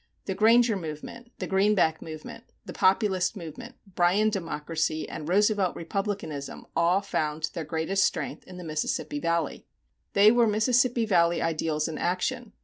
The Granger movement, the Greenback movement, the Populist movement, Bryan Democracy, and Roosevelt Republicanism all found their greatest strength in the Mississippi Valley. They were Mississippi Valley ideals in action.